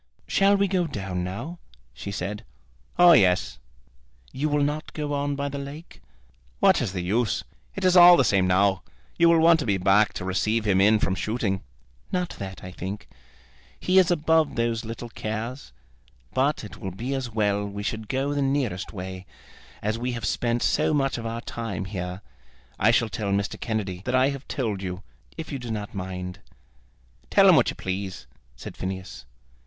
"Shall we go down now?" she said. "Oh, yes." "You will not go on by the lake?" "What is the use? It is all the same now. You will want to be back to receive him in from shooting." "Not that, I think. He is above those little cares. But it will be as well we should go the nearest way, as we have spent so much of our time here. I shall tell Mr. Kennedy that I have told you, if you do not mind." "Tell him what you please," said Phineas.